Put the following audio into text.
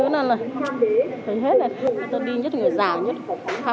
cứ năn này năn hết này